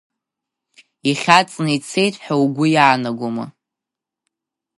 Ихьаҵны ицеит ҳәа угәы иаанагома?